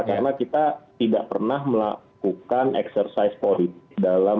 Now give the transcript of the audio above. karena kita tidak pernah melakukan eksersis politik dalam